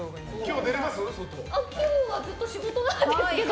今日はずっと仕事なんですけど。